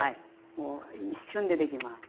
もう一瞬でできます。